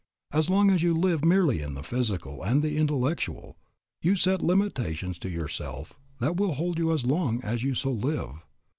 As long as you live merely in the physical and the intellectual, you set limitations to yourself that will hold you as long as you so live.